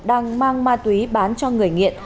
đang mang ma túy bán cho người nghiện